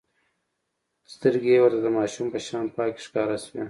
سترګې يې ورته د ماشوم په شان پاکې ښکاره شوې.